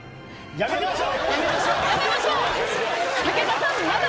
やめましょう。